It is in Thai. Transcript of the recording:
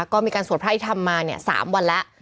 ก็มีการสวดพระอภิษฐรรมมา๓วันแล้ว